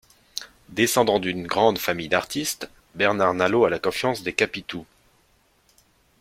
Descendant d'une grande famille d'artistes, Bernard Nalot a la confiance des capitouls.